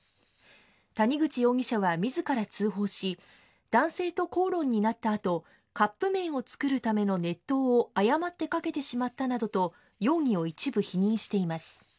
谷口容疑者はみずから通報し、男性と口論になったあと、カップ麺を作るための熱湯を誤ってかけてしまったなどと容疑を一部否認しています。